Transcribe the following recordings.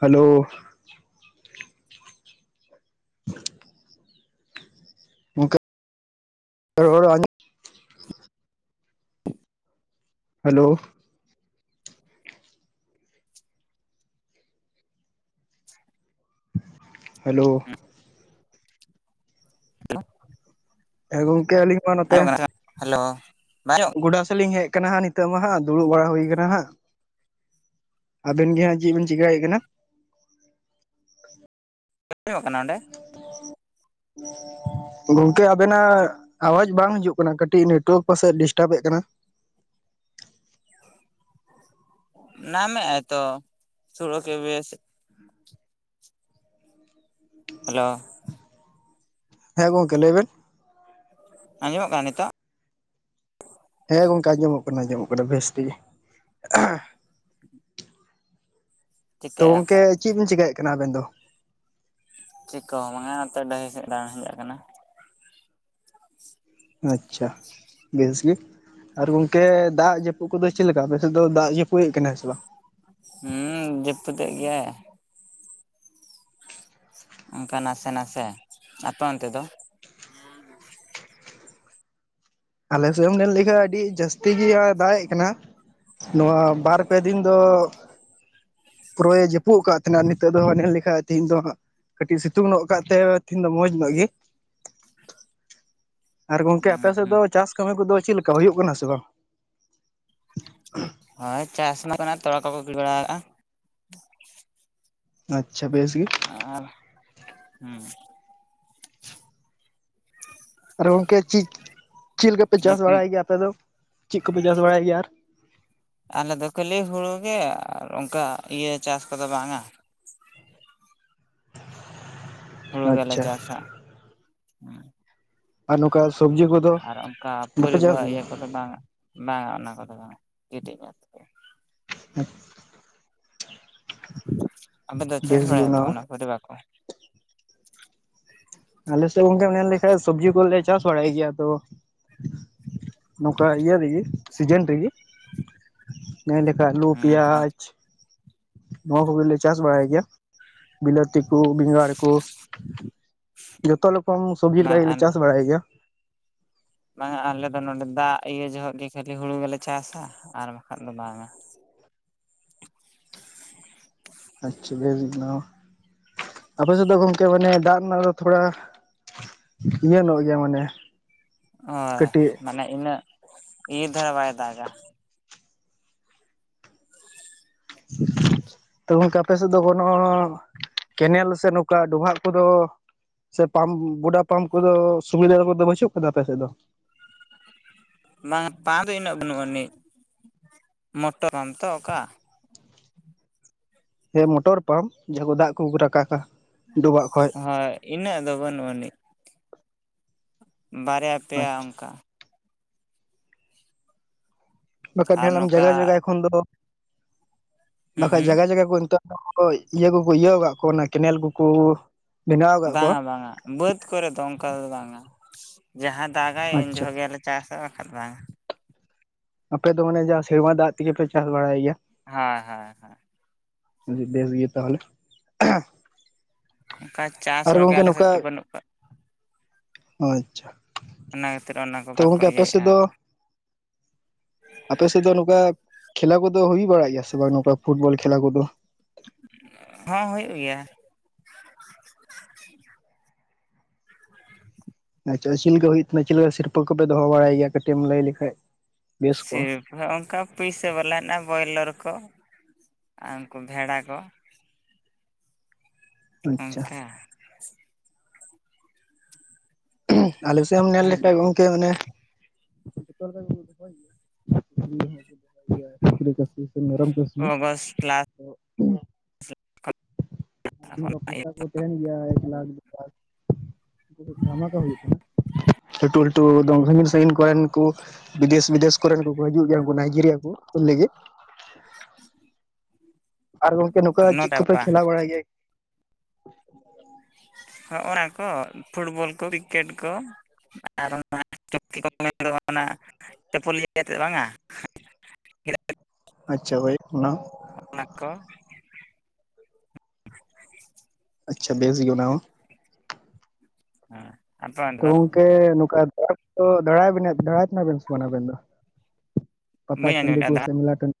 Hello, [unintelligible] [inaudible] ᱨᱚᱲ [inaudible] hello, [unintelligible] hello, [unintelligible] ᱮ ᱜᱚᱝᱠᱮ ᱟᱞᱤᱧ [inaudible] ᱦᱮᱞᱳ [inaudible] ᱜᱚᱰᱟ ᱥᱮᱜᱞᱤᱧ ᱦᱮᱡ ᱠᱟᱱᱟ ᱦᱟᱸᱜ ᱱᱤᱛᱚᱜ ᱢᱟ ᱦᱟᱸᱜ ᱫᱩᱲᱩᱵ ᱵᱟᱲᱟ ᱦᱩᱭ ᱠᱟᱱᱟ ᱦᱟᱸᱜ᱾ ᱟᱵᱮᱱ ᱜᱮ ᱦᱟᱸᱜ ᱪᱤᱜ ᱵᱤᱱ ᱪᱤᱠᱟᱹᱭᱮᱜ ᱠᱟᱱᱟ? [inaudible] ᱠᱟᱱᱟ ᱚᱸᱰᱮ? [unintelligible] ᱜᱚᱝᱠᱮ ᱟᱵᱮᱱᱟᱜ ᱟᱣᱟᱡ ᱵᱟᱝ ᱦᱤᱡᱩᱜ ᱠᱟᱱᱟ ᱠᱟᱹᱴᱤᱡ ᱱᱮᱴᱚᱣᱟᱠ ᱯᱟᱥᱮᱜ ᱰᱤᱥᱴᱟᱵᱮᱜ ᱠᱟᱱᱟ᱾ [unintelligible] [unintelligible] ᱦᱮᱞᱳ, ᱦᱮᱸ ᱜᱚᱝᱠᱮ ᱞᱟᱹᱭᱵᱮᱱ᱾ ᱟᱸᱡᱚᱢᱚᱜ ᱠᱟᱱᱟ ᱱᱤᱛᱚᱜ? ᱦᱮᱸ ᱜᱚᱝᱠᱮ ᱟᱸᱡᱚᱢᱚᱜ ᱠᱟᱱᱟ ᱟᱸᱡᱚᱢᱚᱜ ᱠᱟᱱᱟ ᱵᱮᱥ ᱛᱮᱜᱮ [unintelligible] ᱛᱚ ᱪᱤᱠᱟᱹᱭᱮᱜᱼᱟ ᱜᱚᱝᱠᱮ ᱯᱮ ᱪᱤᱜ ᱵᱤᱱ ᱪᱤᱠᱟᱹᱭᱮᱜ ᱠᱟᱱᱟ ᱟᱵᱮᱱ ᱫᱚ? ᱪᱤᱟᱹ ᱦᱚᱸ ᱵᱟᱝᱟ ᱱᱚᱛᱮ ᱰᱟᱹᱦᱤ ᱥᱮᱜ ᱰᱟᱝ ᱦᱮᱡ ᱟᱠᱟᱱᱟ᱾ ᱟᱸᱪᱷᱟ᱾ ᱵᱮᱥ ᱜᱤ ᱟᱨ ᱜᱚᱝᱠᱮ ᱫᱟᱜ ᱡᱟᱹᱯᱩᱫ ᱠᱩᱫᱚ ᱪᱤᱫ ᱞᱮᱠᱟ ᱥᱮᱫ ᱫᱚ ᱫᱟᱜ ᱡᱟᱹᱯᱩᱫ ᱛᱷᱦᱮᱱᱟ ᱥᱮ ᱵᱟᱝ? ᱦᱩᱸ ᱡᱟᱹᱯᱩᱫ ᱛᱮᱫ ᱜᱮᱭᱟᱭ᱾ ᱚᱱᱠᱟ ᱱᱟᱥᱮ ᱱᱟᱥᱮ ᱟᱯᱮ ᱚᱱᱛᱮ ᱫᱚ? [unintelligible] ᱟᱞᱮ ᱥᱮᱫᱦᱚᱢ ᱢᱮᱱ ᱞᱮᱠᱷᱟᱱ ᱟᱹᱰᱤ ᱡᱟᱹᱥᱛᱤ ᱜᱮᱟ ᱫᱟᱜᱮᱡ ᱠᱟᱱᱟ᱾ ᱱᱚᱣᱟ ᱵᱟᱨ ᱯᱮ ᱫᱤᱱ ᱫᱚ, ᱯᱩᱨᱟᱹᱭᱮ ᱡᱟᱹᱯᱩᱜ ᱠᱟᱜ ᱛᱷᱮᱦᱱᱟ ᱱᱤᱛᱚᱜ ᱫᱚ ᱦᱚ ᱧᱮᱞ ᱞᱤᱠᱷᱟᱡ ᱛᱮᱦᱤᱧ ᱫᱚ ᱦᱟᱸᱜ, ᱠᱟᱹᱴᱤᱡ ᱥᱤᱛᱩᱝ ᱧᱚᱜ ᱠᱟᱜ ᱛᱮ ᱛᱤᱦᱧ ᱫᱚ ᱢᱚᱸᱡᱽ ᱧᱚᱜ ᱜᱮ᱾ [unintelligible] ᱟᱨ ᱜᱚᱝᱠᱮ ᱟᱯᱮ ᱦᱩᱸ ᱥᱮᱫ ᱦᱩᱸ ᱫᱚ ᱪᱟᱥ ᱠᱟᱹᱢᱤ ᱠᱚᱫᱚ ᱪᱮᱫ ᱞᱮᱠᱟ ᱦᱩᱭᱩᱜ ᱠᱟᱱᱟ ᱥᱮ ᱵᱟᱝ? [unintelligible] ᱦᱳᱭ ᱪᱟᱥ ᱚᱱᱟ ᱠᱷᱟᱱᱟ ᱛᱚ ᱟᱠᱚ ᱠᱚ ᱜᱤᱲᱤ ᱵᱟᱲᱟᱣ ᱠᱟᱜᱼᱟ, [unintelligible] ᱟᱪᱪᱷᱟ ᱵᱮᱥ ᱜᱮ᱾ ᱟᱨ ᱦᱩᱸ᱾ ᱟᱨ ᱜᱚᱝᱠᱮ ᱪᱤᱫ ᱪᱮᱫ ᱞᱮᱠᱟᱯᱮ ᱱᱤᱛ ᱪᱟᱥ ᱵᱟᱲᱟᱭ ᱜᱮᱭᱟ ᱟᱯᱮ ᱫᱚ ᱪᱮᱫ ᱠᱚᱯᱮ ᱪᱟᱥ ᱵᱟᱲᱟᱭ ᱜᱮᱭᱟ ᱟᱨ? ᱟᱞᱮᱫᱚ ᱠᱷᱟᱹᱞᱤ ᱦᱩᱲᱩᱮ ᱟᱨ ᱚᱱᱠᱟ ᱤᱭᱟᱹ ᱪᱟᱥ ᱠᱚᱫᱚ ᱵᱟᱝᱟ ᱦᱩᱲᱩ ᱜᱮᱞᱟᱮ ᱟᱪᱪᱷᱟ ᱪᱟᱥᱟ᱾ ᱟᱨ ᱱᱚᱝᱠᱟ ᱥᱚᱵᱽᱡᱤ ᱠᱚ ᱟᱨ ᱚᱱᱠᱟ ᱯᱚᱨᱤᱵᱟ ᱤᱭᱟᱹ ᱠᱚᱫᱚ ᱵᱟᱝ ᱵᱟᱝᱟ ᱚᱱᱟ ᱠᱚᱫᱚ ᱵᱟᱝ ᱠᱟᱹᱴᱤᱡ [inaudible] ᱟᱫᱚ ᱞᱮ ᱪᱟᱥ ᱵᱮᱥ ᱜᱮ ᱵᱟᱲᱟᱭᱟ ᱦᱚᱸ ᱚᱱᱟ ᱠᱚᱫᱚ ᱵᱟᱠᱚ ᱟᱞᱮᱥᱮᱜ ᱜᱚᱝᱠᱮᱢ ᱧᱮᱞ ᱞᱮᱠᱷᱟᱡ ᱥᱚᱵᱡᱤ ᱠᱚᱞᱮ ᱪᱟᱥ ᱵᱟᱲᱟᱭ ᱜᱮᱭᱟ ᱟᱫᱚ [unintelligible] ᱱᱚᱝᱠᱟ ᱤᱭᱟᱹ ᱨᱮᱜᱮ ᱥᱤᱡᱮᱱ ᱨᱮᱜᱮ ᱢᱮᱱ ᱞᱮᱠᱷᱟᱡ ᱟᱞᱩ ᱦᱩᱸ ᱦᱩᱸ ᱯᱮᱸᱭᱟᱡ ᱱᱚᱣᱟ ᱠᱚᱜᱮ ᱞᱮ ᱪᱟᱥ ᱵᱟᱲᱟᱭ ᱜᱮᱭᱟ ᱵᱤᱞᱟᱹᱛᱤᱠᱩ ᱵᱮᱸᱜᱟᱲ ᱠᱚ ᱡᱷᱚᱛᱚ ᱨᱚᱠᱚᱢ ᱥᱚᱵᱡᱤ ᱞᱮᱠᱟ ᱵᱟᱝ ᱜᱮᱞᱮ ᱟᱨ ᱪᱟᱥ ᱵᱟᱲᱟᱭ ᱜᱮᱭᱟ᱾ ᱵᱟᱝᱟ ᱟᱞᱮ ᱫᱚ ᱱᱚᱰᱮ ᱫᱟᱜ ᱤᱭᱟᱹ ᱡᱚᱦᱚᱜ ᱜᱮ ᱠᱷᱟᱹᱞᱤ ᱦᱩᱲᱩ ᱜᱮᱞᱮ ᱪᱟᱥᱟ ᱟᱨ ᱵᱟᱠᱷᱟᱡ ᱫᱚ ᱵᱟᱝᱟ᱾ ᱟᱪᱪᱷᱟ ᱵᱮᱥ ᱜᱮ ᱚᱱᱟ ᱦᱚᱸ ᱟᱯᱮ ᱥᱮᱫ ᱫᱚ ᱜᱚᱝᱠᱮ ᱢᱟᱱᱮ ᱫᱟᱜ ᱨᱮᱱᱟᱜ ᱫᱚ ᱛᱷᱚᱲᱟ ᱤᱭᱟᱹ ᱧᱚᱜ ᱜᱮᱭᱟ ᱢᱟᱱᱮ ᱚ ᱠᱟᱹᱴᱤᱡ ᱢᱟᱱᱮ ᱤᱱᱟᱹᱜ ᱤᱭᱟᱹ ᱫᱷᱟᱨᱟ ᱵᱟᱭ ᱫᱟᱜᱟ᱾ ᱛᱚ ᱜᱚᱝᱠᱮ ᱟᱯᱮ ᱥᱮᱫ ᱫᱚ ᱵᱟᱹᱱᱩᱜᱼᱟ ᱠᱮᱱᱮᱞ ᱥᱮ ᱱᱚᱝᱠᱟ ᱰᱚᱵᱷᱟᱜ ᱠᱚᱫᱚ ᱥᱮ ᱯᱟᱢᱯ ᱜᱚᱰᱟ ᱯᱟᱢᱯ ᱠᱚᱫᱚ ᱥᱩᱵᱤᱫᱷᱟ ᱠᱚᱫᱚ ᱵᱟᱹᱪᱩᱜ ᱠᱟᱫᱟ ᱟᱯᱮ ᱥᱮᱫ ᱫᱚ? ᱵᱟᱝ ᱯᱟ ᱫᱚ ᱤᱱᱟᱹᱜ ᱵᱟᱹᱱᱩᱜ ᱟᱹᱱᱤᱡ ᱢᱚᱴᱚᱨ ᱯᱟᱢ ᱛᱚ ᱚᱝᱠᱟ? ᱦᱮᱸ ᱢᱚᱴᱚᱨ ᱯᱟᱢᱯ ᱡᱟᱦᱟᱸ ᱠᱚ ᱫᱟᱜ ᱠᱚ ᱨᱟᱠᱟᱵᱟ᱾ ᱰᱚᱵᱟᱜ ᱠᱷᱚᱡ ᱦᱳᱭ ᱤᱱᱟᱹᱜ ᱫᱚ ᱵᱟᱹᱱᱩᱜ ᱟᱹᱱᱤᱡ ᱵᱟᱨᱭᱟ ᱯᱮᱭᱟ ᱟᱪᱪᱷᱟ ᱚᱝᱠᱟ᱾ ᱵᱟᱠᱷᱟ ᱫᱚ ᱟᱨ ᱧᱮᱞᱟᱢ ᱱᱚᱝᱠᱟ ᱡᱟᱭᱜᱟ ᱡᱟᱭᱜᱟ ᱮᱠᱷᱚᱱ ᱫᱚ ᱦᱩᱸ ᱵᱟᱠᱷᱟᱡ ᱦᱩᱸ ᱡᱟᱭᱜᱟ ᱡᱟᱭᱜᱟ ᱠᱚ ᱱᱤᱛᱚᱜ [unintelligible] ᱤᱭᱟᱹ ᱠᱚᱠᱚ ᱤᱭᱟᱹ ᱠᱟᱜ ᱠᱚᱣᱟ ᱚᱱᱟ ᱠᱮᱱᱮᱞ ᱠᱚᱠᱩ ᱵᱟᱝᱟ ᱵᱟᱝᱟ ᱵᱟᱹᱫ ᱠᱚᱨᱮ ᱫᱚ ᱚᱝᱠᱟ ᱫᱚ ᱵᱟᱝᱟ ᱡᱟᱦᱟᱸ ᱫᱟᱜᱟᱭ ᱩᱱ ᱟᱪᱪᱷᱟ ᱡᱚᱦᱚᱜ ᱜᱮ ᱟᱞᱮ ᱪᱟᱥᱟ ᱵᱟᱠᱷᱟᱫ ᱵᱟᱝᱟ᱾ ᱟᱯᱮ ᱫᱚ ᱢᱟᱱᱮ ᱡᱟ ᱥᱮᱨᱢᱟ ᱫᱟᱜ ᱛᱮᱜᱮ ᱯᱮ ᱪᱟᱥ ᱵᱟᱲᱟᱭ ᱜᱮᱭᱟ? ᱦᱟᱸ ᱦᱟᱸ ᱦᱟᱸ᱾ ᱟᱵᱤ ᱵᱮᱥ ᱜᱮ ᱛᱟᱦᱚᱞᱮ᱾ ᱚᱝᱠᱟ ᱪᱟᱥ ᱟᱨ ᱦᱚᱲᱜᱮ ᱟᱞᱮ ᱥᱮᱫ ᱨᱮ ᱵᱟᱹᱱᱩᱜ ᱠᱟᱜ ᱚ ᱟᱪᱪᱷᱟ᱾ ᱚᱱᱟ ᱠᱷᱟᱹᱛᱤᱨ ᱚᱱᱟᱠᱚ ᱛᱚ ᱵᱟᱠᱚ ᱜᱚᱝᱠᱮ ᱟᱯᱮ ᱥᱮᱫ ᱤᱭᱟᱹᱭᱮᱜᱼᱟ᱾ ᱟᱯᱮᱥᱮᱫ ᱫᱚ ᱱᱚᱝᱠᱟ ᱠᱷᱮᱞᱟ ᱠᱚᱫᱚ ᱦᱩᱭ ᱵᱟᱲᱟᱜ ᱜᱮᱭᱟ ᱥᱮ ᱵᱟᱝ ᱱᱚᱝᱠᱟ ᱯᱷᱩᱴᱵᱚᱞ ᱠᱷᱮᱞᱟ ᱠᱚᱫᱚ? ᱦᱚᱸ ᱦᱩᱭᱩᱜ ᱜᱮᱭᱟ᱾ ᱟᱪᱪᱷᱟ ᱪᱮᱫ ᱞᱮᱠᱟ ᱦᱩᱭᱩᱜ ᱠᱟᱱᱟ ᱪᱮᱫ ᱞᱮᱠᱟ ᱥᱤᱨᱯᱟᱹ ᱠᱚᱯᱮ ᱫᱚᱦᱚ ᱵᱟᱲᱟᱭ ᱜᱮᱭᱟ ᱠᱟᱹᱴᱤᱡ ᱮᱢ ᱞᱟᱹᱭ ᱞᱮᱠᱷᱟᱡ ᱵᱮᱥ ᱠᱚᱜᱼᱟ ᱥᱤᱨ ᱟᱫᱚ ᱚᱝᱠᱟ ᱯᱩᱭᱥᱟᱹ ᱵᱟᱞᱟᱱᱟᱜ ᱵᱚᱭᱞᱟᱨ ᱠᱚ ᱟᱨ ᱩᱝᱠᱩ ᱵᱷᱮᱲᱟ ᱠᱚ ᱟᱪᱪᱷᱟ ᱚᱝᱠᱟ? ᱟᱞᱮ ᱥᱮᱫ ᱮᱢ ᱱᱮᱞ ᱞᱮᱠᱷᱟᱡ ᱜᱚᱝᱠᱮ ᱢᱟᱱᱮᱼᱼ [inaudible] ᱢᱮᱨᱚᱢ ᱠᱷᱟᱥᱤ ᱼᱼ ᱚᱜᱚᱥᱴ ᱞᱟᱥᱴ ᱛᱤᱱᱟᱹᱜ ᱜᱟᱱ ᱯᱩᱭᱥᱟ ᱠᱚ ᱛᱟᱦᱮ ᱜᱮᱭᱟ ᱞᱟᱠᱷ ᱫᱩ ᱞᱟᱠᱷ ᱦᱩᱭ ᱠᱟᱱᱟ᱾ ᱞᱟᱹᱴᱩ ᱞᱟᱹᱴᱩ ᱫᱚᱞ ᱥᱟᱜᱤᱱ ᱥᱟᱜᱤᱱ ᱠᱚᱨᱮᱱ ᱠᱩᱼᱼ ᱵᱤᱫᱮᱥ ᱵᱤᱫᱮᱥ ᱠᱚᱨᱮᱱ ᱠᱚ ᱠᱚ ᱦᱤᱡᱩᱜ ᱜᱮᱭᱟ ᱟᱵᱩ ᱱᱟᱭᱡᱮᱨᱤᱭᱟ ᱠᱚᱼᱼ ᱠᱷᱮᱞ ᱞᱟᱹᱜᱤᱫ᱾ ᱟᱨ ᱜᱚᱝᱠᱮ ᱱᱚᱝᱠᱟ ᱱᱚ ᱪᱮᱫ ᱠᱚᱯᱮ ᱵᱟ ᱠᱷᱮᱞᱟᱣ ᱵᱟᱲᱟᱭ ᱜᱮᱭᱟ? ᱦᱚᱸᱜ ᱱᱚᱣᱟ ᱠᱚ ᱯᱷᱩᱴᱵᱚᱞ ᱠᱚ ᱠᱨᱤᱠᱮᱴ ᱠᱚ ᱟᱨ ᱚᱱᱟᱼᱼ ' [inaudible] ᱪᱩ ᱢᱮᱱ ᱚᱱᱟ ᱪᱟᱹᱯᱚᱞ ᱤᱭᱟᱹᱛ ᱵᱟᱝ-ᱟ᱾ ᱟᱪᱪᱷᱟ ᱦᱳᱭ ᱚᱱᱟ ᱚᱱᱟ ᱠᱚᱼᱼ ᱟᱪᱪᱷᱟ ᱵᱮᱥ ᱜᱮ ᱚᱱᱟ ᱦᱚᱸ᱾ ᱮᱸ ᱟᱯᱮ ᱚᱱᱰᱮ ᱫᱚ? ᱛᱮ ᱱᱚᱝᱠᱟ ᱫᱟᱭ ᱫᱟᱭ ᱠᱟᱱᱟ ᱵᱮᱱ ᱥᱮ ᱵᱟᱝ ᱟᱵᱮᱱ ᱫᱚ? ᱯᱟᱛᱟ ᱵᱟᱹᱧ ᱟᱸᱡᱚᱢ ᱴᱟᱱᱰᱤ ᱞᱮᱫᱼᱟ ᱠᱚ ᱫᱟᱬᱟ ᱥᱮ ᱢᱮᱞᱟ ᱴᱟᱱᱰᱤᱼᱼ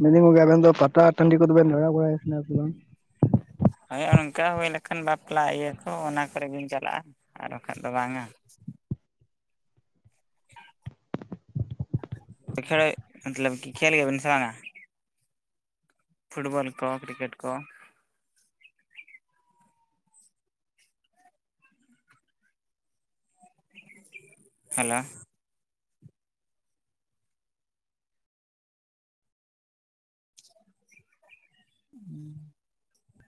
ᱢᱮᱱᱫᱟᱞᱤᱧ ᱡᱮ ᱟᱵᱮᱱ ᱫᱚ ᱯᱟᱛᱟ ᱴᱟᱸᱰᱤ ᱠᱚᱫᱚ ᱵᱮᱱ ᱫᱟᱲᱟ ᱵᱟᱲᱟᱭᱱᱟ ᱥᱮ ᱵᱟᱝ? ᱦᱳᱭ ᱚᱱᱠᱟ ᱦᱩᱭ ᱞᱮᱠᱷᱟᱱ ᱵᱟᱯᱞᱟ ᱤᱭᱟᱹ ᱠᱚ ᱚᱱᱟ ᱠᱚᱨᱮ ᱜᱤᱧ ᱪᱟᱞᱟᱜᱼᱟ᱾ ᱟᱨ ᱵᱟᱠᱷᱟᱜ ᱫᱚ ᱵᱟᱝᱟ᱾ [unintelligible] ᱛᱚ ᱠᱷᱮᱞ ᱢᱚᱛᱞᱚᱵ ᱠᱤ ᱠᱷᱮᱞ ᱜᱮᱭᱟᱵᱤᱱ ᱥᱮ ᱵᱟᱝᱟ? ᱯᱷᱩᱴᱵᱚᱞ ᱠᱚ ᱠᱨᱤᱠᱮᱴ ᱠᱚᱼᱼ ᱦᱮᱞᱳᱼᱼ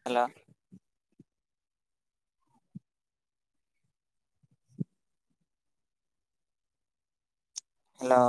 ᱦᱮᱞᱳ᱾ ᱦᱮᱞᱳ᱾